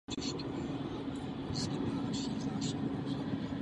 Zpráva stanoví Komisi ukazatele budoucí politiky hospodářské soutěže.